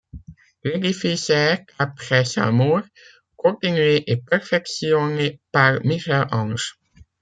L'édifice est, après sa mort, continué et perfectionné par Michel-Ange.